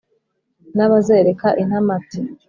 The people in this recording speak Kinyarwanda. N' abazereka Intamati,